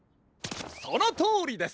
そのとおりです！